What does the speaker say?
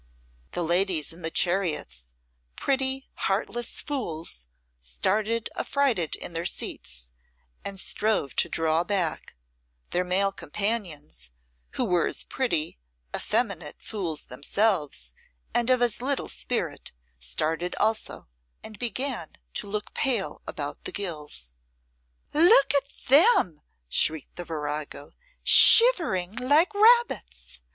The ladies in the chariots, pretty, heartless fools, started affrighted in their seats, and strove to draw back; their male companions, who were as pretty, effeminate fools themselves and of as little spirit, started also, and began to look pale about the gills. "Look at them!" shrieked the virago, "shivering like rabbits.